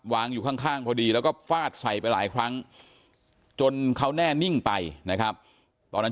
อยู่ข้างพอดีแล้วก็ฟาดใส่ไปหลายครั้งจนเขาแน่นิ่งไปนะครับตอนนั้น